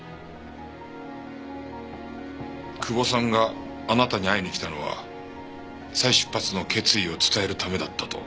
久保さんがあなたに会いに来たのは再出発の決意を伝えるためだったと？